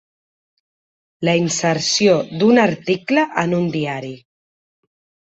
La inserció d'un article en un diari.